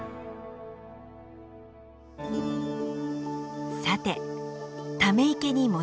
さてため池に戻りましょう。